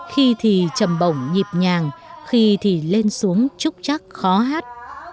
khi thì trầm bổng nhịp nhàng khi thì lên xuống trúc chắc khó hát